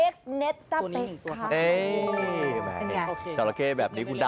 แกะเชือกลาเข้นแบบนี้นะครับ